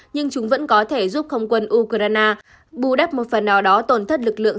nhưng chúng vẫn có thể giúp không quân ukraine bù đắp một phần nào đó tổn thất lực lượng